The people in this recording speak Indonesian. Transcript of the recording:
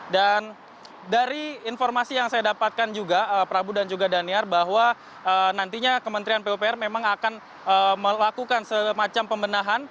dan dari informasi yang saya dapatkan juga prabu dan juga daniar bahwa nantinya kementerian pupr memang akan melakukan semacam pembenahan